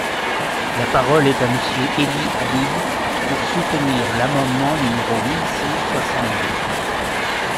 La parole est à Monsieur Élie Aboud, pour soutenir l’amendement numéro mille cent soixante-deux.